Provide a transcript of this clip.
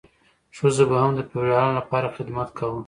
ښځو به هم د فیوډالانو لپاره خدمت کاوه.